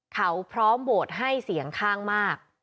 เขาพร้อมโหวตให้เสียงข้างมาก